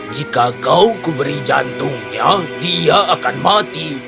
jika kau kuberi jantungnya dia akan mati